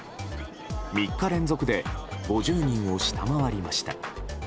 ３日連続で５０人を下回りました。